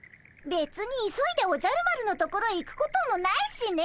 べつに急いでおじゃる丸のところへ行くこともないしね。